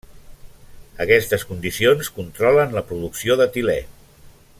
Aquestes condicions controlen la producció d'etilè.